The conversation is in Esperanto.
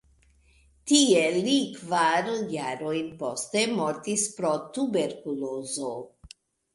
Tie li kvar jarojn poste mortis pro tuberkulozo.